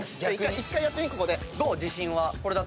１回やってみここで。